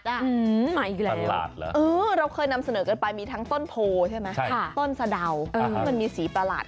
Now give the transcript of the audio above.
อื้อมาอีกแล้วเราเคยนำเสนอกันไปมีทั้งต้นโผล่ใช่ไหมค่ะต้นสะดาวมันมีสีปลาหลาด